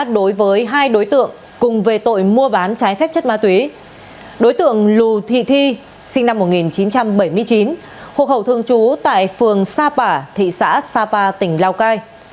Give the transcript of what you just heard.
đối tượng lù thị thi sinh năm một nghìn chín trăm bảy mươi chín hộp hậu thường trú tại phường sapa thị xã sapa tỉnh lào cai